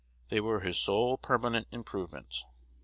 They were his sole permanent improvement.